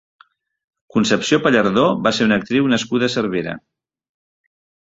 Concepció Pallardó va ser una actriu nascuda a Cervera.